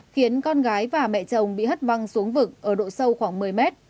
khiến con gái và mẹ chồng bị hất văng xuống vực ở độ sâu khoảng một mươi mét